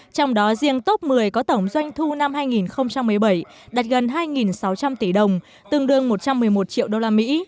trong đó riêng top một mươi có tổng doanh thu năm hai nghìn một mươi bảy đạt gần hai sáu trăm linh tỷ đồng tương đương một trăm một mươi một triệu đô la mỹ